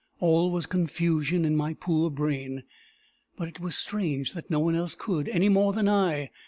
All was confusion in my poor brain. But it was strange that no one else could, any more than I.